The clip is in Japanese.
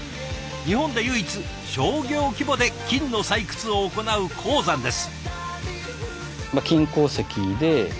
日本で唯一商業規模で金の採掘を行う鉱山です。